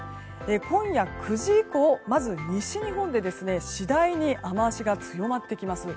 今夜９時以降、まず西日本で次第に雨脚が強まってきます。